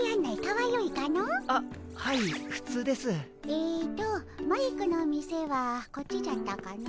えっとマイクの店はこっちじゃったかの。